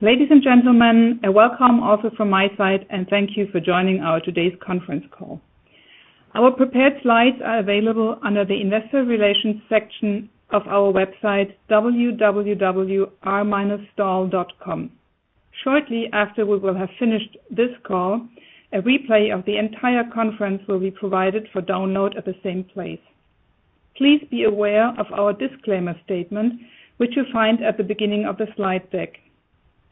Ladies and gentlemen, a welcome also from my side, and thank you for joining our today's conference call. Our prepared slides are available under the Investor Relations section of our website, www.r-stahl.com. Shortly after we will have finished this call, a replay of the entire conference will be provided for download at the same place. Please be aware of our disclaimer statement, which you'll find at the beginning of the slide deck.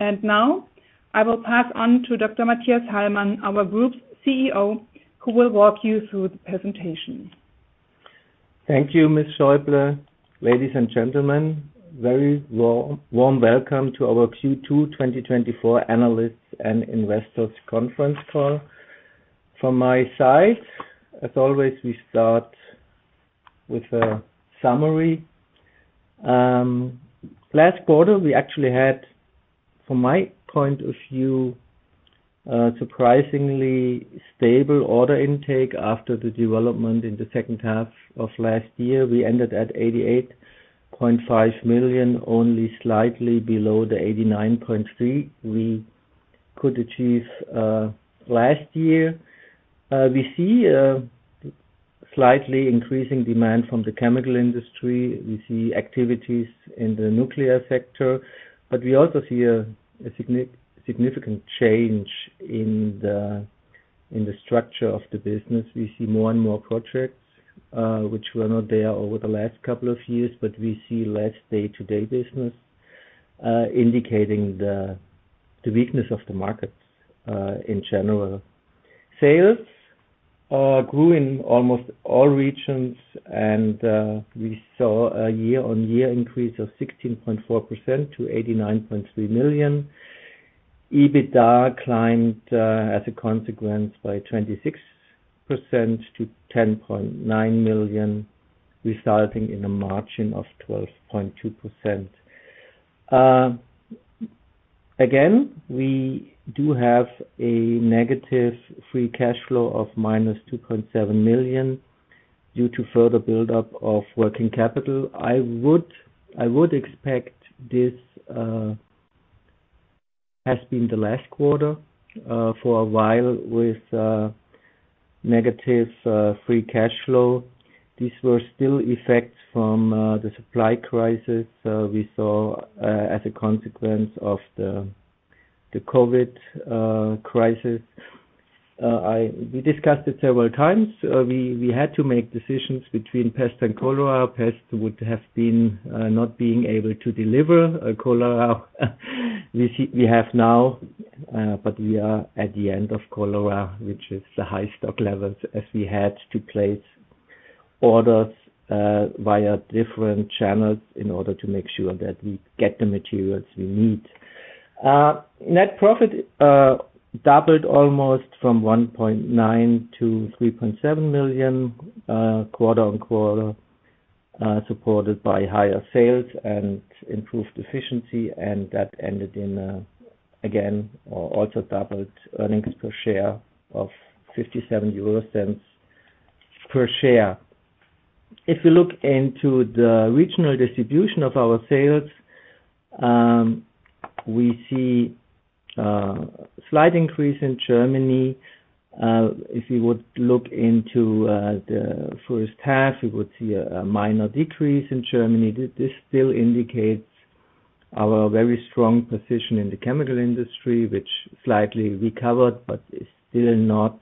And now, I will pass on to Dr. Mathias Hallmann, our group's CEO, who will walk you through the presentation. Thank you, Ms. Schäuble. Ladies and gentlemen, very warm welcome to our Q2 2024 analysts and investors conference call. From my side, as always, we start with a summary. Last quarter, we actually had, from my point of view, surprisingly stable order intake after the development in the second half of last year. We ended at 88.5 million, only slightly below the 89.3 million we could achieve last year. We see a slightly increasing demand from the chemical industry. We see activities in the nuclear sector, but we also see a significant change in the structure of the business. We see more and more projects, which were not there over the last couple of years, but we see less day-to-day business, indicating the weakness of the markets in general. Sales grew in almost all regions, and we saw a year-on-year increase of 16.4% to 89.3 million. EBITDA climbed, as a consequence, by 26% to 10.9 million, resulting in a margin of 12.2%. Again, we do have a negative free cash flow of -2.7 million due to further buildup of working capital. I would, I would expect this has been the last quarter for a while with negative free cash flow. These were still effects from the supply crisis we saw as a consequence of the COVID crisis. We discussed it several times. We had to make decisions between pest and cholera. Pest would have been not being able to deliver. Cholera, we see—we have now, but we are at the end of the quarter, which is the high stock levels, as we had to place orders via different channels in order to make sure that we get the materials we need. Net profit doubled almost from 1.9 million to 3.7 million quarter-over-quarter, supported by higher sales and improved efficiency, and that ended in again also doubled earnings per share of 0.57. If you look into the regional distribution of our sales, we see a slight increase in Germany. If you would look into the first half, you would see a minor decrease in Germany. This still indicates our very strong position in the chemical industry, which slightly recovered, but is still not,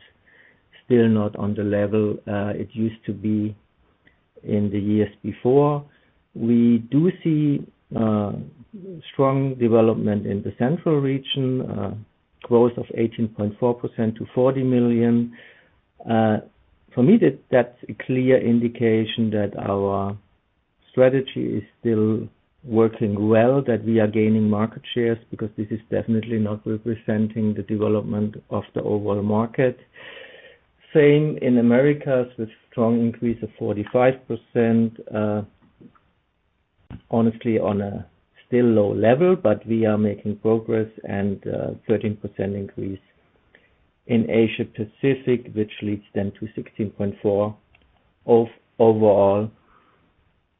still not on the level it used to be in the years before. We do see strong development in the central region, growth of 18.4% to 40 million. For me, that's a clear indication that our strategy is still working well, that we are gaining market shares, because this is definitely not representing the development of the overall market. Same in Americas, with strong increase of 45%. Honestly, on a still low level, but we are making progress, and 13% increase in Asia Pacific, which leads then to 16.4% overall.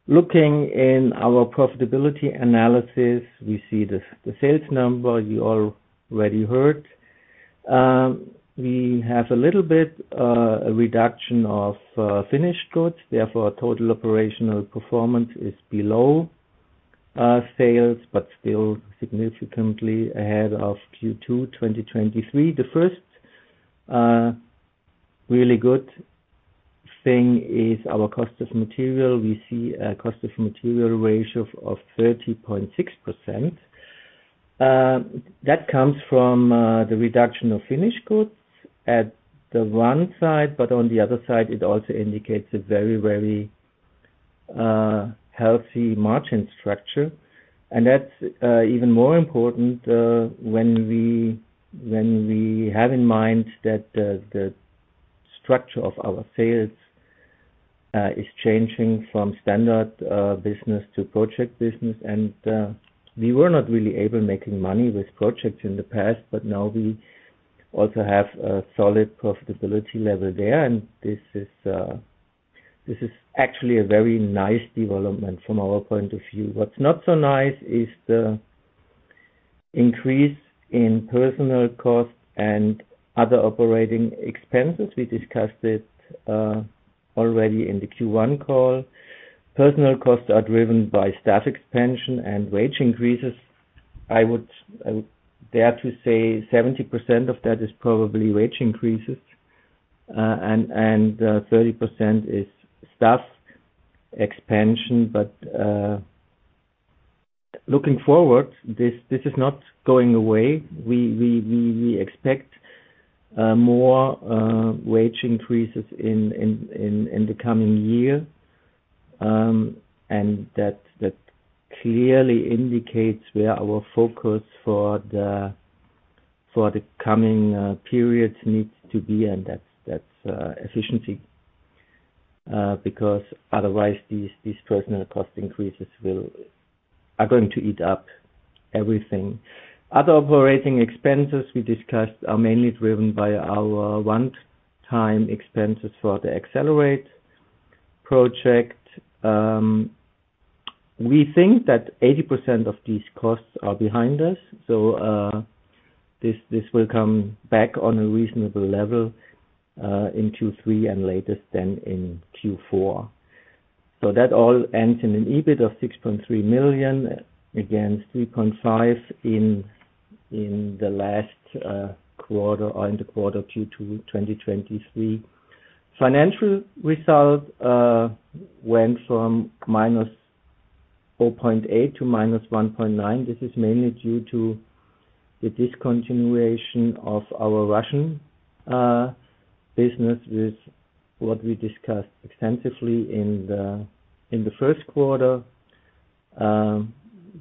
Looking in our profitability analysis, we see the sales number you already heard. We have a little bit a reduction of finished goods. Therefore, our total operational performance is below sales, but still significantly ahead of Q2 2023. The first really good thing is our cost of material. We see a cost of material ratio of 30.6%. That comes from the reduction of finished goods at the one side, but on the other side, it also indicates a very, very healthy margin structure. And that's even more important when we have in mind that the structure of our sales is changing from standard business to project business. And we were not really able making money with projects in the past, but now we also have a solid profitability level there, and this is... This is actually a very nice development from our point of view. What's not so nice is the increase in personnel costs and other operating expenses. We discussed it already in the Q1 call. Personnel costs are driven by staff expansion and wage increases. I would dare to say 70% of that is probably wage increases, and 30% is staff expansion. But looking forward, this is not going away. We expect more wage increases in the coming year. And that clearly indicates where our focus for the coming periods needs to be, and that's efficiency, because otherwise, these personnel cost increases are going to eat up everything. Other operating expenses we discussed are mainly driven by our one-time expenses for the EXcelerate project. We think that 80% of these costs are behind us, so, this, this will come back on a reasonable level, in Q3 and latest then in Q4. So that all ends in an EBIT of 6.3 million, against 3.5 million in, in the last, quarter, or in the quarter Q2 2023. Financial results, went from -4.8 million to -1.9 million. This is mainly due to the discontinuation of our Russian, business, with what we discussed extensively in the, in the first quarter.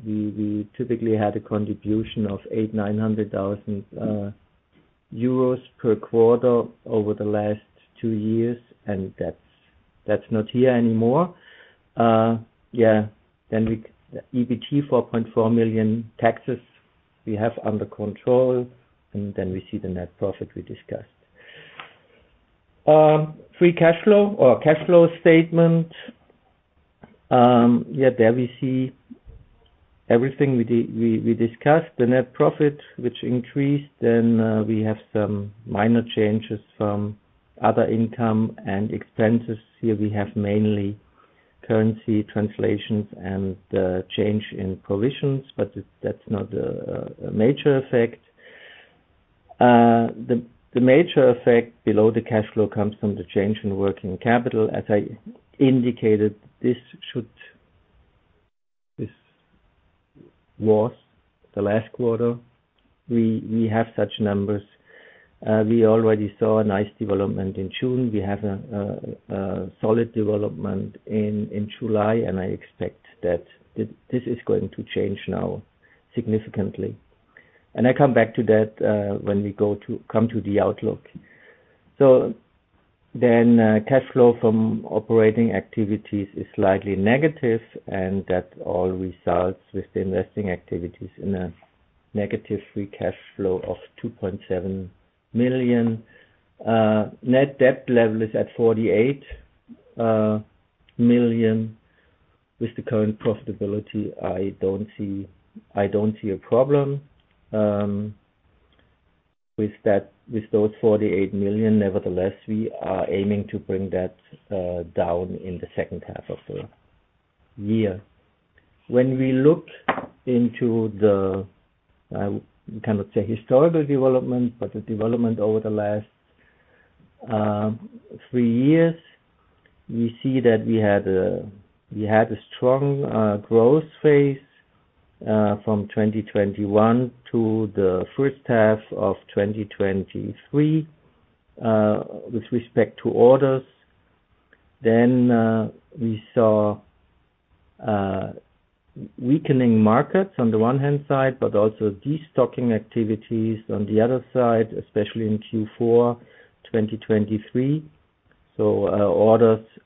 We, we typically had a contribution of 800,000-900,000 euros per quarter over the last two years, and that's, that's not here anymore. EBT, 4.4 million. Taxes, we have under control, and then we see the net profit we discussed. Free cash flow or cash flow statement. Yeah, there we see everything we discussed. The net profit, which increased, then we have some minor changes from other income and expenses. Here we have mainly currency translations and change in provisions, but that's not a major effect. The major effect below the cash flow comes from the change in working capital. As I indicated, this should, this was the last quarter. We have such numbers. We already saw a nice development in June. We have a solid development in July, and I expect that this is going to change now significantly. And I come back to that when we come to the outlook. So then, cash flow from operating activities is slightly negative, and that all results with the investing activities in a negative free cash flow of 2.7 million. Net debt level is at 48 million. With the current profitability, I don't see, I don't see a problem, with that- with those 48 million. Nevertheless, we are aiming to bring that down in the second half of the year. When we look into the, I cannot say historical development, but the development over the last 3 years, we see that we had a, we had a strong growth phase, from 2021 to the first half of 2023, with respect to orders. Then, we saw weakening markets on the one hand side, but also destocking activities on the other side, especially in Q4 2023. So,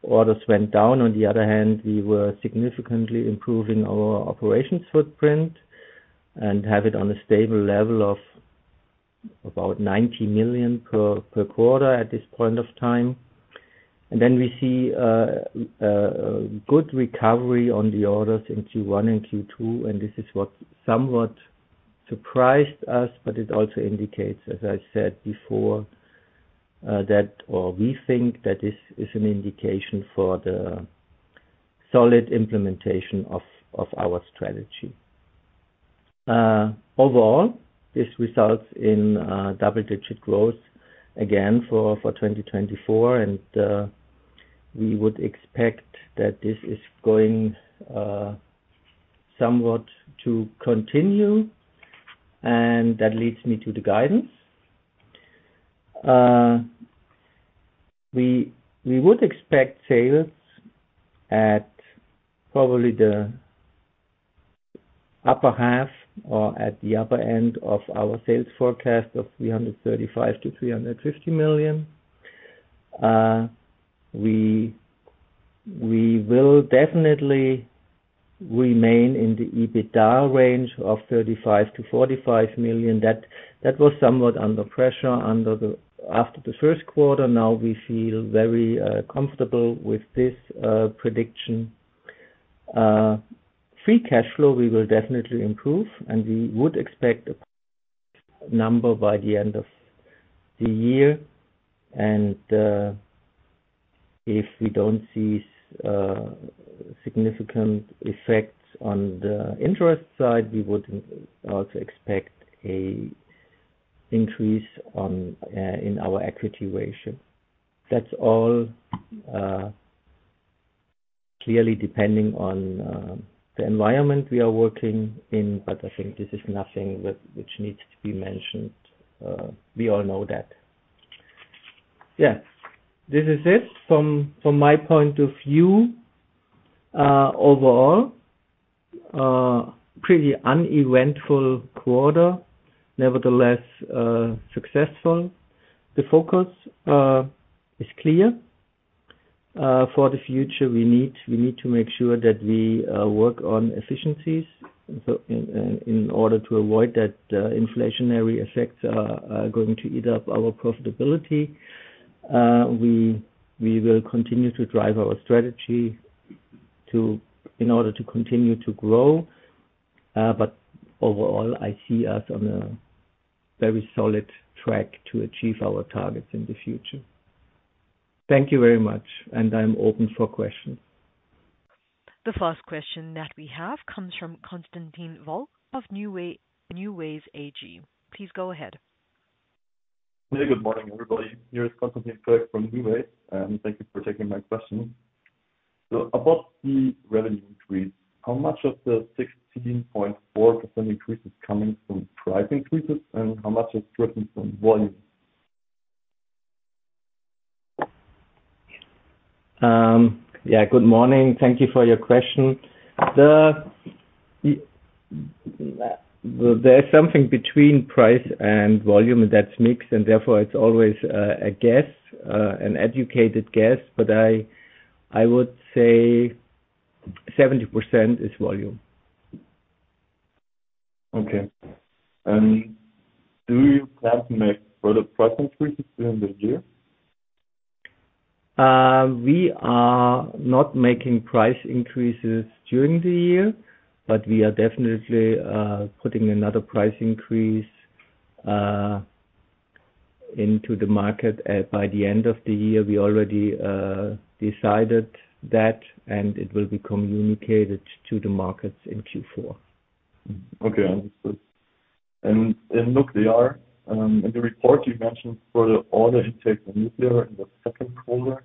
orders went down. On the other hand, we were significantly improving our operations footprint and have it on a stable level of about 90 million per quarter at this point of time. And then we see a good recovery on the orders in Q1 and Q2, and this is what somewhat surprised us, but it also indicates, as I said before, that, or we think that this is an indication for the solid implementation of our strategy. Overall, this results in double-digit growth again for 2024, and we would expect that this is going somewhat to continue, and that leads me to the guidance. We would expect sales at probably the upper half or at the upper end of our sales forecast of 335 million-350 million. We will definitely remain in the EBITDA range of 35 million-45 million. That was somewhat under pressure after the first quarter. Now we feel very comfortable with this prediction. Free cash flow, we will definitely improve, and we would expect a number by the end of the year. And if we don't see significant effects on the interest side, we would also expect a increase on, in our equity ratio. That's all clearly depending on the environment we are working in, but I think this is nothing that which needs to be mentioned. We all know that. Yeah, this is it from my point of view. Overall, pretty uneventful quarter, nevertheless successful. The focus is clear. For the future, we need to make sure that we work on efficiencies, so in order to avoid that inflationary effects are going to eat up our profitability. We will continue to drive our strategy in order to continue to grow, but overall, I see us on a very solid track to achieve our targets in the future. Thank you very much, and I'm open for questions. The first question that we have comes from Konstantin Völk of NuWays AG. Please go ahead. Yeah, good morning, everybody. Here is Konstantin Völk from NuWays, and thank you for taking my question. So about the revenue increase, how much of the 16.4% increase is coming from price increases, and how much is driven from volume? Yeah, good morning. Thank you for your question. There's something between price and volume, and that's mixed, and therefore, it's always a guess, an educated guess, but I would say 70% is volume. Okay. And do you plan to make further price increases during the year? We are not making price increases during the year, but we are definitely putting another price increase into the market by the end of the year. We already decided that, and it will be communicated to the markets in Q4. Okay, understood. And in look, they are in the report you mentioned for the order intake in nuclear in the second quarter,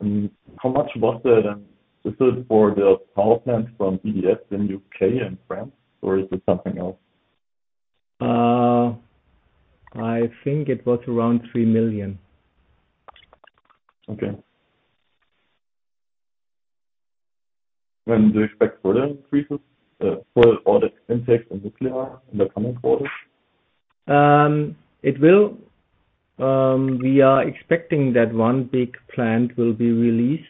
and how much was that? And is it for the power plant from EDF in U.K. and France, or is it something else? I think it was around 3 million. Okay. When do you expect further increases for order intake in nuclear in the coming quarters? We are expecting that one big plant will be released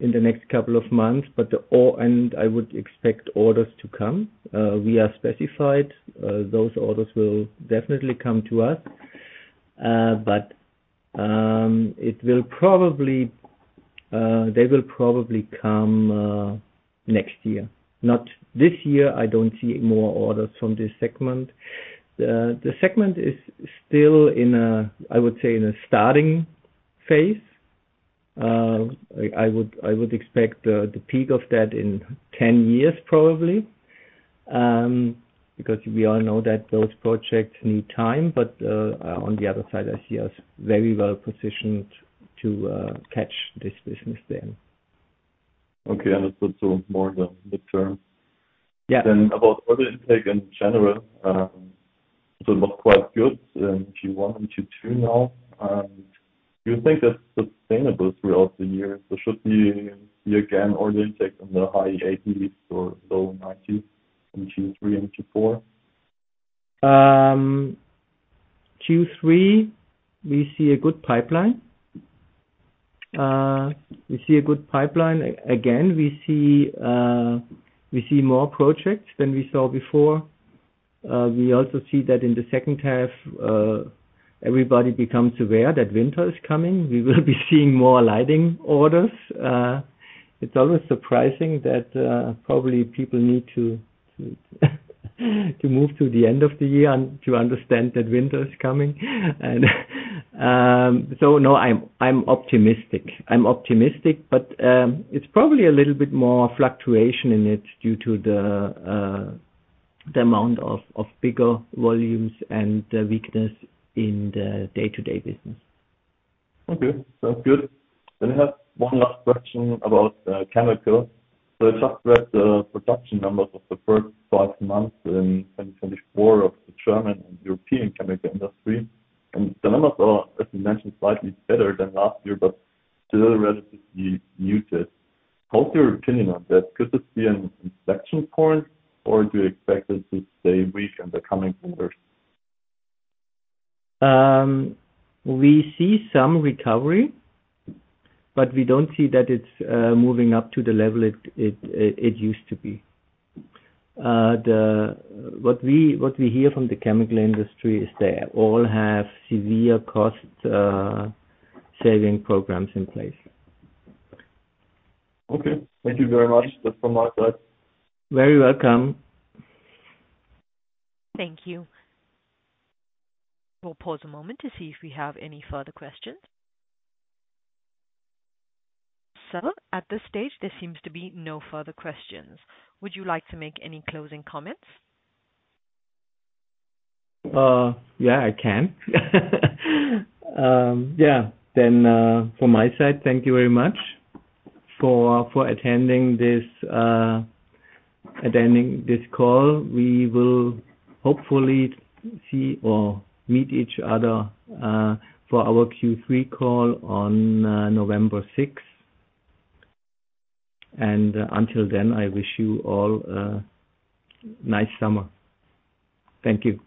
in the next couple of months, but I would expect orders to come. We are specified. Those orders will definitely come to us, but it will probably, they will probably come next year. Not this year, I don't see more orders from this segment. The segment is still in a, I would say, in a starting phase. I would expect the peak of that in 10 years, probably, because we all know that those projects need time. But on the other side, I see us very well positioned to catch this business then. Okay, understood. So more in the mid term. Yeah. About order intake in general, so look quite good in Q1 and Q2 now. Do you think that's sustainable throughout the year, or should we see again, order intake in the high 80s or low 90s in Q3 and Q4? Q3, we see a good pipeline. We see a good pipeline. Again, we see more projects than we saw before. We also see that in the second half, everybody becomes aware that winter is coming. We will be seeing more lighting orders. It's always surprising that probably people need to move to the end of the year and to understand that winter is coming. And, so no, I'm optimistic. I'm optimistic, but it's probably a little bit more fluctuation in it, due to the amount of bigger volumes and the weakness in the day-to-day business. Okay, sounds good. Then I have one last question about chemical. So just read the production numbers of the first five months in 2024 of the German and European chemical industry, and the numbers are, as you mentioned, slightly better than last year, but still relatively muted. What's your opinion on that? Could this be an inflection point, or do you expect it to stay weak in the coming quarters? We see some recovery, but we don't see that it's moving up to the level it used to be. What we hear from the chemical industry is they all have severe cost saving programs in place. Okay. Thank you very much. That's from my side. Very welcome. Thank you. We'll pause a moment to see if we have any further questions. At this stage, there seems to be no further questions. Would you like to make any closing comments? Yeah, I can. Yeah. Then, from my side, thank you very much for attending this call. We will hopefully see or meet each other for our Q3 call on November 6th. And, until then, I wish you all a nice summer. Thank you.